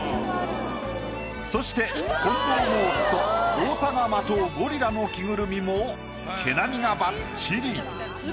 そして近藤の夫太田がまとうゴリラの着ぐるみも毛並みがばっちり。